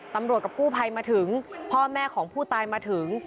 กับกู้ภัยมาถึงพ่อแม่ของผู้ตายมาถึง